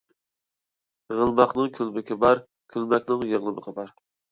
غلىماقنىڭ كۈلمىكى بار، كۈلمەكنىڭ يىغلىمىقى.